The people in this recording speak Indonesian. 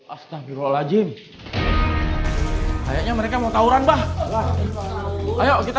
astagfirullahaladzim kayaknya mereka mau tawuran bah ayo kita